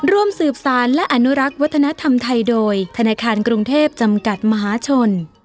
ร่วมสืบสารและอนุรักษ์วัฒนธรรมไทยโดยธนาคารกรุงเทพจำกัดมหาชน